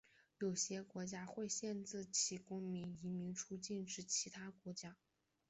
有些国家会限制其公民移民出境至其他国家。